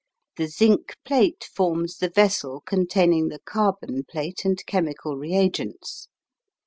The zinc plate forms the vessel containing the carbon plate and chemical reagents.